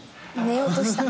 寝ようとした。